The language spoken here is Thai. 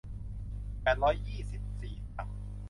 แปดร้อยยี่สิบสี่ถัง